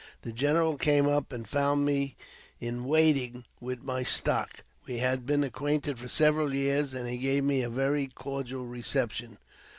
The general came up, and found me in waiting with my stock ; we had been acquainted for several years, and he gave me a very cordial reception.